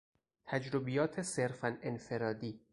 تجربیات صرفا انفرادی